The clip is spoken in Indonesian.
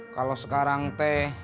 kalo sekarang teh